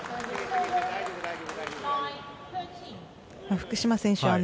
福島選手